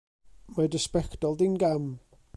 Mae dy sbectol di'n gam.